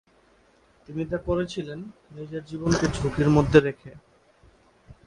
তিনি তা করেছিলেন, নিজের জীবনকে ঝুঁকির মধ্যে রেখে।